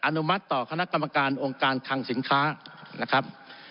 อนุมัติต่อคณะกรรมการองค์การคังสินค้านะครับ